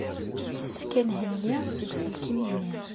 Yessefk ad nhenni seg uselkim-nni.